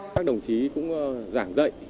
các đồng chí cũng giảng dạy